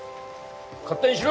勝手にしろ！